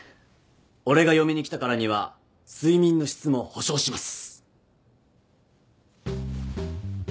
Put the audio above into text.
俺が嫁に来たからには睡眠の質も保証します。